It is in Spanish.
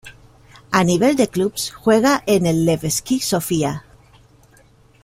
A nivel de clubes juega en el Levski Sofia.